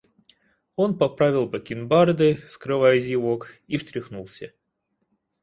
Он поправил бакенбарды, скрывая зевок, и встряхнулся.